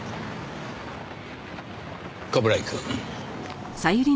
冠城くん。